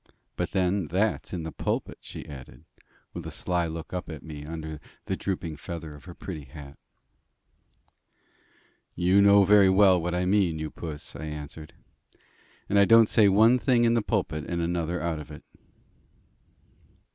But, then, that's in the pulpit," she added, with a sly look up at me from under the drooping feather of her pretty hat. "You know very well what I mean, you puss," I answered. "And I don't say one thing in the pulpit and another out of it."